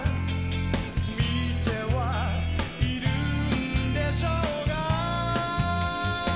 「見てはいるんでしょうが」